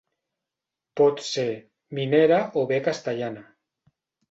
Pot ser minera o bé castellana.